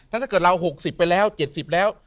ถ้าเกิดเรา๖๐ไปแล้ว๗๐แล้ว